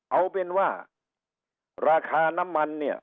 เอาเป็นว่าราคาน้ำมันเนี่ย